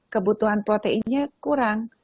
kebutuhan proteinnya kurang